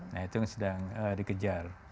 nah itu yang sedang dikejar